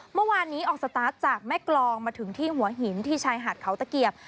เมื่อวานนี้ออกสตาร์ทจากแม่กรองมาถึงที่หัวหินที่ชายหาดเขาตะเกียบ